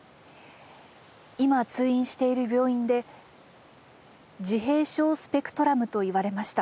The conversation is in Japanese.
今通院している病院で自閉症スペクトラムと言われました。